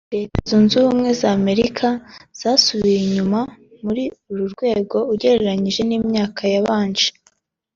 Leta Zunze Ubumwe za Amerika zo zasubiye inyuma muri uru rwego ugereranyije n’imyaka yabanje